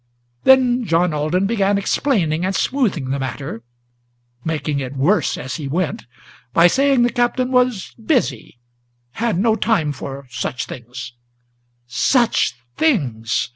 Then John Alden began explaining and smoothing the matter, Making it worse as he went, by saying the Captain was busy, Had no time for such things; such things!